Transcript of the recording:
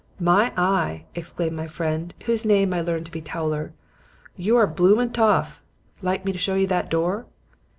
"'My eye!' exclaimed my friend, whose name I learned to be Towler, 'you are a bloomin' toff. Like me to show you that door?'